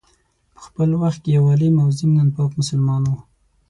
په خپل وخت کي یو عالم او ضمناً پاک مسلمان وو.